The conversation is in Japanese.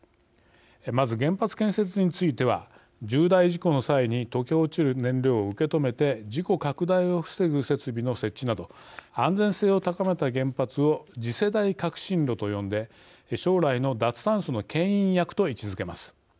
まず原発建設については重大事故の際に溶け落ちる燃料を受け止めて事故拡大を防ぐ設備の設置など安全性を高めた原発を次世代革新炉と呼んで将来の脱炭素のけん引役と位置づけます。